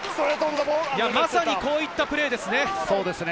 まさにこういったプレーですね。